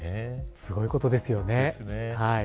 すごいことですよね。